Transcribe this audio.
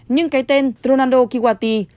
nhưng cái tên ronaldo kiwati